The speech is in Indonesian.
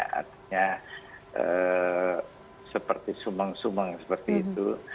artinya seperti sumeng sumeng seperti itu